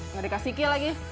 enggak dikasih kill lagi